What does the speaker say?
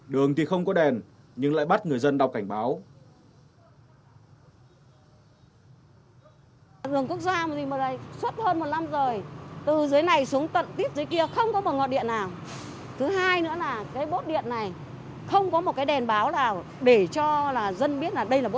đường thì không có đèn nhưng lại bắt người dân đọc cảnh báo